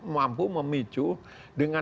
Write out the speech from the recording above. mampu memicu dengan